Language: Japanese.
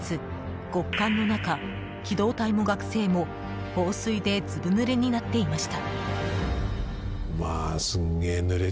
極寒の中、機動隊も学生も放水でずぶぬれになっていました。